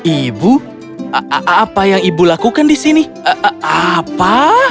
ibu apa yang ibu lakukan di sini apa